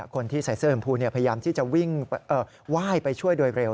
คนที่ใส่เสื้อชมพูพยายามที่จะวิ่งไหว้ไปช่วยโดยเร็ว